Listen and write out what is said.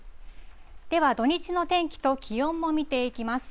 では土日の天気と気温も見ていきます。